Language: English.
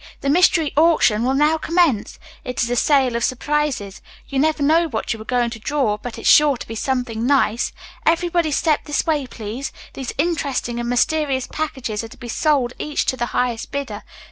The 'Mystery Auction' will now commence. It is a sale of surprises. You never know what you are going to draw, but it's sure to be something nice. Everybody step this way, please. These interesting and mysterious packages are to be sold each to the highest bidder.